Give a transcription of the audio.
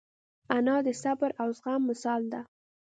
انا د صبر او زغم مثال ده